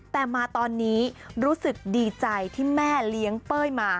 แต่มาตอนนี้รู้สึกดีใจที่แม่เลี้ยงเป้ยมา